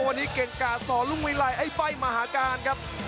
โอ้ววันนี้เกรงการสอนรุ่นเวลาไอ้ไฟมหาการครับ